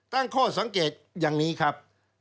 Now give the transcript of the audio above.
ตั้งข้อสังเกตอย่างนี้ครับ